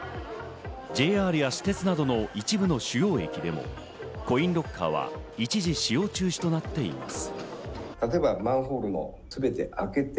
ＪＲや私鉄などの一部の主要駅でも、コインロッカーは一時、使用中止となっています。